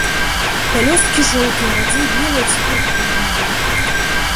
Пялёсткі жоўтыя, радзей белыя ці пурпурныя.